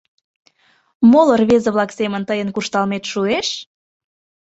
— Моло рвезе-влак семын тыйын куржталмет шуэш?